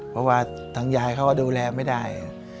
เพราะว่าทางยายเขาก็ดูแลไม่ได้